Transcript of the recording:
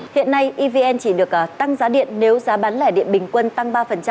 hiện nay evn chỉ được tăng giá điện nếu giá bán lẻ điện bình quân tăng ba